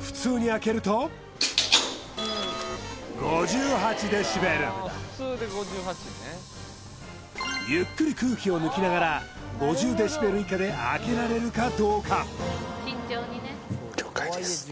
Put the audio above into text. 普通に開けるとゆっくり空気を抜きながら５０ｄＢ以下で開けられるかどうか了解です